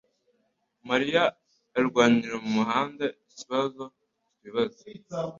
mariya arwanira mumuhanda ikibazo twibaza (Amastan)